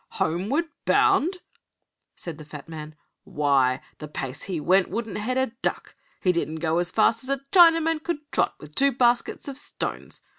"Homeward Bound!" said the fat man. "Why, the pace he went wouldn't head a duck. He didn't go as fast as a Chinaman could trot with two baskets of stones.